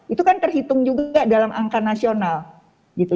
itu kan terhitung juga dalam angka nasional gitu